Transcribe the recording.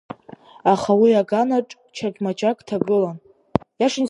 Аха уи аганаҿ, чақьмаџьак ҭагылан.